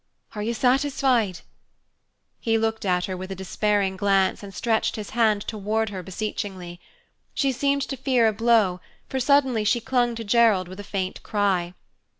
Are you satisfied?" He looked at her with a despairing glance and stretched his hand toward her beseechingly. She seemed to fear a blow, for suddenly she clung to Gerald with a faint cry.